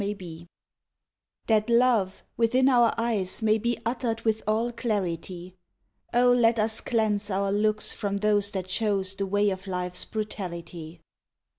XVII That love within our eyes may be Uttered with all clarity; Oh, let us cleanse our looks from those That chose The way of life's brutality.